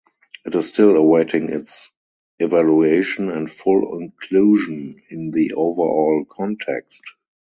It is still awaiting its evaluation and full inclusion in the overall context.